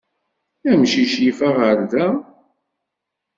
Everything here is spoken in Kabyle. Amcic yif aɣerda?